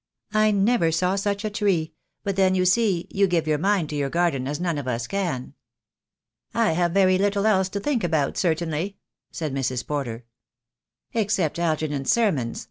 "I never saw such a tree; but then, you see, you give your mind to your garden as none of us can." "I have very little else to think about, certainly," said Mrs. Porter. "Except Algernon's sermons.